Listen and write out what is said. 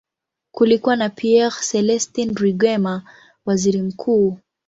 Kulikuwa na Pierre Celestin Rwigema, waziri mkuu.